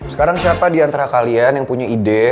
sekarang siapa diantara kalian yang punya ide